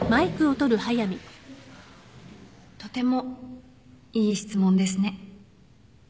とてもいい質問ですね